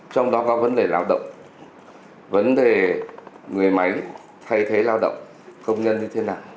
trong đó có vấn đề lao động vấn đề người máy thay thế lao động công nhân như thế nào